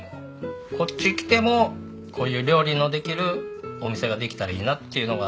こっち来てもこういう料理のできるお店ができたらいいなっていうのがあったんで。